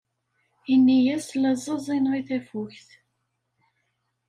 Ini-as la ẓẓiẓineɣ i tafukt.